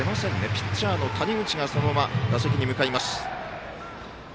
ピッチャーの谷口がそのまま打席へ向かいます。